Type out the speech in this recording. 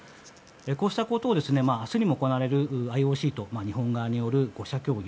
こうしたことを明日にも行われるＩＯＣと日本側による５者協議